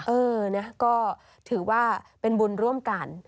เออนะก็ถือว่าเป็นบุญร่วมกัน